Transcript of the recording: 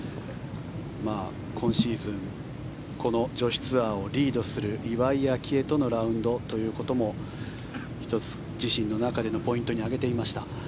今シーズンこの女子ツアーをリードする岩井明愛とのラウンドということをも１つ、自身の中でのポイントに挙げていました。